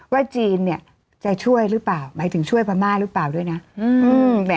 จีนจะช่วยหรือเปล่าหมายถึงช่วยพม่าหรือเปล่าด้วยนะ